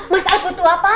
mas al butuh apa